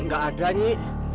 gak ada nyai